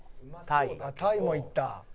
「タイもいった。